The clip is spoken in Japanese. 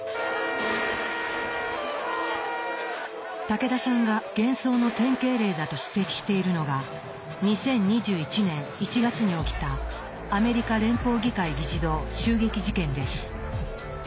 武田さんが幻想の典型例だと指摘しているのが２０２１年１月に起きたアメリカ連邦議会議事堂襲撃事件です。